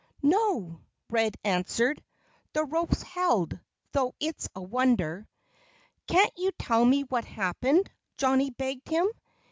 "No!" Red answered. "The ropes held though it's a wonder." "Can't you tell me what happened?" Johnnie begged him.